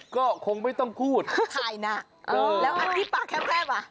ก็คงไม่ต้องพูดถ่ายหนักแล้วอันนี้ปากแคบว่ะ